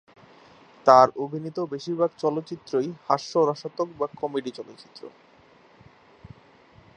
তার অভিনীত বেশিরভাগ চলচ্চিত্রই হাস্য-রসাত্মক বা কমেডি চলচ্চিত্র।